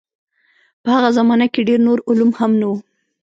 په هغه زمانه کې ډېر نور علوم هم نه وو.